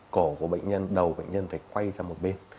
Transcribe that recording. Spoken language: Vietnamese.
cổ của bệnh nhân đầu bệnh nhân phải quay ra một bên